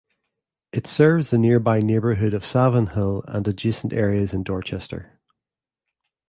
It serves the nearby neighborhood of Savin Hill and adjacent areas in Dorchester.